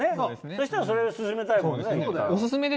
そうしたらそれを勧めたいかもね。